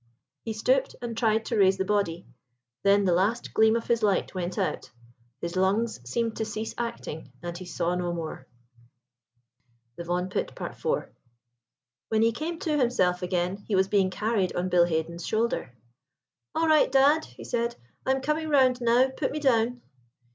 He stooped and tried to raise the body. Then the last gleam of his light went out—his lungs seemed to cease acting, and he saw no more. THE VAUGHAN PIT.—IV. When he came to himself again he was being carried on Bill Haden's shoulder. "All right, dad!" he said. "I am coming round now; put me down."